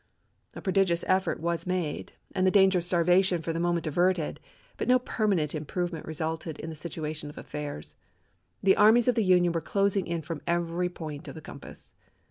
A prodigious effort was made, and the danger of starvation for the moment averted, but no permanent improvement resulted in the situation of affairs. The armies of the Union were closing in from every point of the compass.